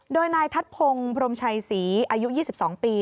โดยนายทัศพงศ์พรมชัยศรีอายุ๒๒ปี